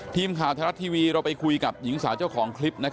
ทีมข่าวไทยรัฐทีวีเราไปคุยกับหญิงสาวเจ้าของคลิป